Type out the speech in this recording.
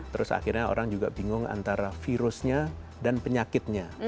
terus akhirnya orang juga bingung antara virusnya dan penyakitnya